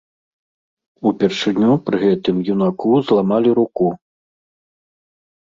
Упершыню пры гэтым юнаку зламалі руку.